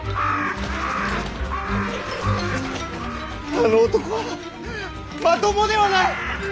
あの男はまともではない！